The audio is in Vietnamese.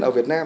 ở việt nam